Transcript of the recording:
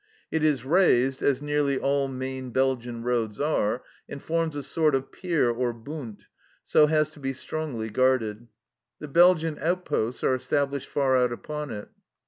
It is raised, as nearly all main Belgian roads are, and forms a sort of pier or bund, so has to be strongly guarded. The Belgian outposts are established far out upon it.